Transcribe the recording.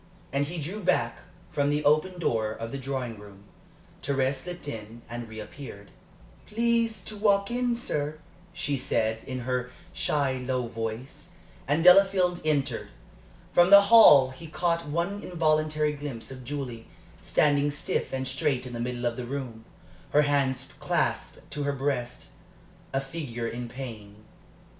And he drew back from the open door of the drawing room. Thérèse slipped in, and reappeared. "Please to walk in, sir," she said, in her shy, low voice, and Delafield entered. From the hall he had caught one involuntary glimpse of Julie, standing stiff and straight in the middle of the room, her hands clasped to her breast a figure in pain.